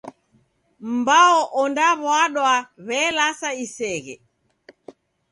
Mbao ondaw'adwa w'elasa iseghe.